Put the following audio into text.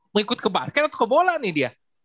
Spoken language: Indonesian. mengikut kebaskan atau ke bola nih dia